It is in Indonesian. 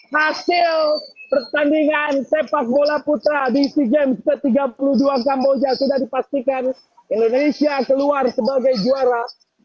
hasil pertandingan sepak bola putra di sea games ke tiga puluh dua kamboja sudah dipastikan indonesia keluar sebagai juara